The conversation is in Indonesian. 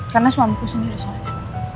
karena suamiku sendiri soalnya